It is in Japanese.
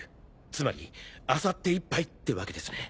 つまり明後日いっぱいってわけですね。